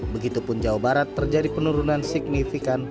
begitupun jawa barat terjadi penurunan signifikan